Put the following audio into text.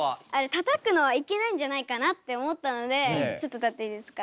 たたくのはいけないんじゃないかなって思ったのでちょっと立っていいですか。